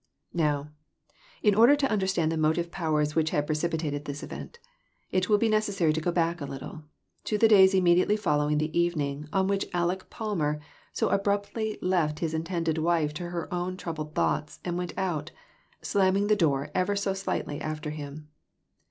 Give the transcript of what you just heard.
Now, in order to understand the motive powers which had precipitated this event, it will be neces sary to go back a little, to the days immediately following the evening on which Aleck Palmer so abruptly left his intended wife to her own troubled thoughts, and went out, slamming the door ever so slightly after him.